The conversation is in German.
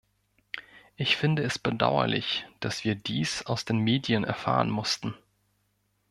Ich finde es bedauerlich, dass wir dies aus den Medien erfahren mussten.